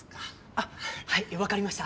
あはい分かりました。